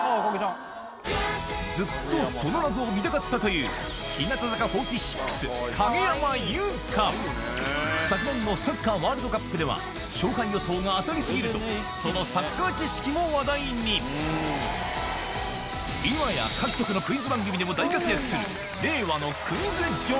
ずっとその謎を見たかったという昨年のサッカーワールドカップでは勝敗予想が当たり過ぎるとそのサッカー知識も話題に今や言えない？